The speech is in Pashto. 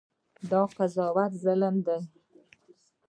دا قضاوت ظلم دی.